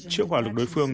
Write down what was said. triệu hỏa lực đối phương